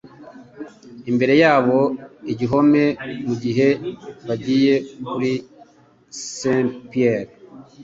imbere yabo igihome mugihe bagiye kuri SaintPierre